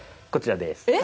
こちらです。